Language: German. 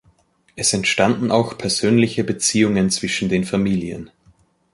Es entstanden auch persönliche Beziehungen zwischen den Familien.